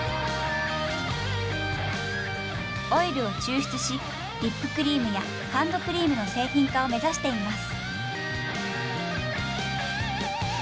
オイルを抽出しリップクリームやハンドクリームの製品化を目指しています。